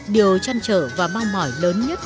điều chăn trở và mong mỏi lớn nhất